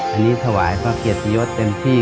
อันนี้ถวายพระเกียรติยศเต็มที่